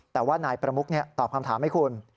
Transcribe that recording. แต่ว่านายประมุกตอบคำถามให้คุณ